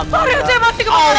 pak rete masih kebakaran